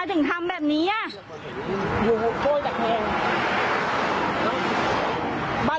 หัวเขาคือใคร